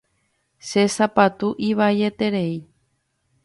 Che sapatu ivaieterei.